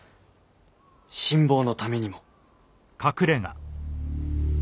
新坊のためにも。